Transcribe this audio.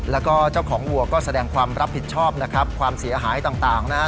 แล้วก็เจ้าของวัวก็แสดงความรับผิดชอบนะครับความเสียหายต่างนะฮะ